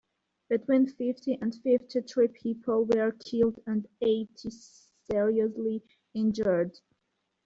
Between fifty and fifty-three people were killed and eighty seriously injured.